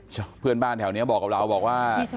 ใช่เพื่อนบ้านแถวนี้บอกกับเราบอกว่า